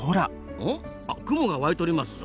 うん？あっ雲が湧いとりますぞ。